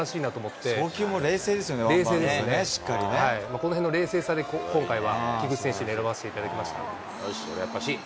このへんの冷静さで今回は菊池選手に選ばせてもらいました。